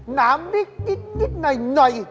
หนามนิดหน่อย